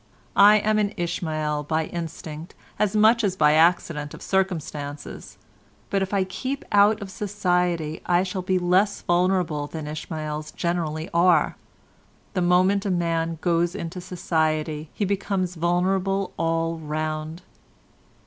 I am an Ishmael by instinct as much as by accident of circumstances, but if I keep out of society I shall be less vulnerable than Ishmaels generally are. The moment a man goes into society, he becomes vulnerable all round."